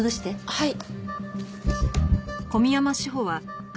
はい。